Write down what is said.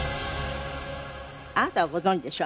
あなたはご存じでしょ？